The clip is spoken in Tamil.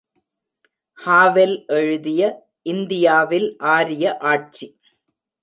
ஹாவெல் எழுதிய இந்தியாவில் ஆரிய ஆட்சி.